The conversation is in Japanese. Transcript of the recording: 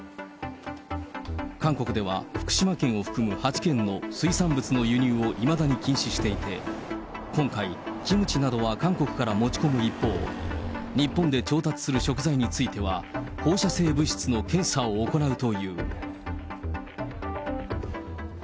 韓国では、福島県を含む８県の水産物の輸入をいまだに禁止していて、今回、キムチなどは韓国から持ち込む一方、日本で調達する食材については、放射性物質の検査を行うという。